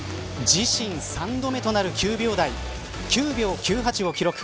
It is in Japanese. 自身３度目となる９秒台９秒９８を記録。